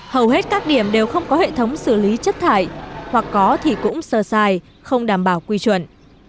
hầu hết các điểm đều không có hệ thống xử lý chất thải hoặc có thì cũng sơ sai không đảm bảo quy chuẩn